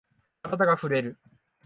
カラダがふれる。